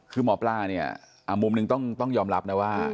คือหมอปลาเนี่ยมุมหนึ่งต้องยอมรับนะว่า